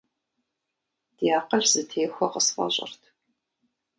Ди акъыл зэтехуэ къысфӀэщӀырт.